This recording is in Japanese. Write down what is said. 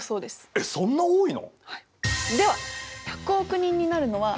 えっそんなに早いの？